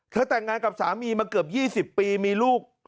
แต่งงานกับสามีมาเกือบ๒๐ปีมีลูก